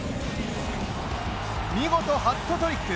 見事ハットトリック。